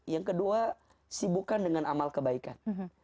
yang kedua sibukkan dengan amal kebaikan